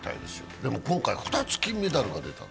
でも今回２つ金メダルが出た。